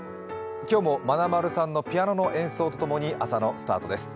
今日も、まなまるさんのピアノの演奏と共にスタートです。